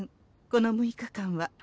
この６日間は。